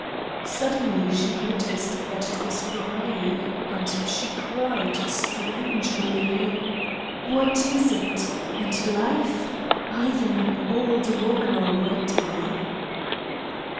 Suddenly she noticed that it was grey, and she cried strangely: "What is it? And life? I am an old woman already."